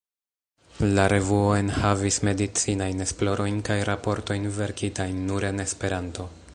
La revuo enhavis medicinajn esplorojn kaj raportojn verkitajn nur en Esperanto.